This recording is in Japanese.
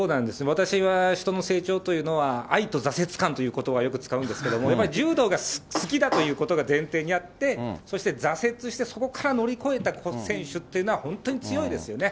私は人の成長というのは、愛と挫折感っていうことばをよく使うんですけれども、やっぱり柔道が好きだということが前提にあって、そして挫折して、そこから乗り越えた選手っていうのは本当に強いですよね。